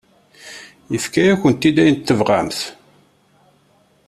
Yefka-awent-d ayen tebɣamt.